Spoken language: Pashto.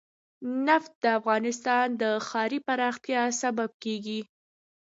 نفت د افغانستان د ښاري پراختیا سبب کېږي.